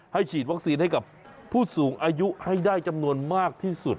ฉีดวัคซีนให้กับผู้สูงอายุให้ได้จำนวนมากที่สุด